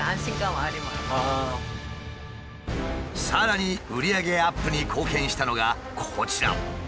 さらに売り上げアップに貢献したのがこちら。